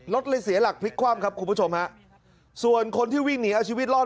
รถเลยเสียหลักพลิกคว่ำครับคุณผู้ชมฮะส่วนคนที่วิ่งหนีเอาชีวิตรอด